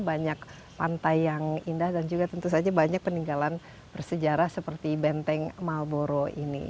banyak pantai yang indah dan juga tentu saja banyak peninggalan bersejarah seperti benteng malboro ini